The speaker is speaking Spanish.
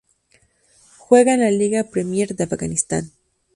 Juegan en la Liga Premier de Afganistán.